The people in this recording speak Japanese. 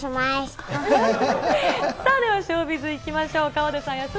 ではショービズいきましょう。